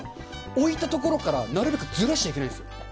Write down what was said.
置いたところからなるべくずらしちゃいけないんですよ。